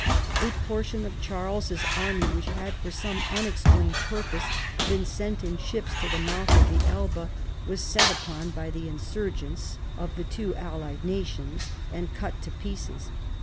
A portion of Charles's army which had, for some unexplained purpose, been sent in ships to the mouth of the Elbe was set upon by the insurgents of the two allied nations and cut to pieces.